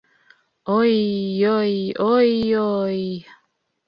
— Оий-йой, ой-ой!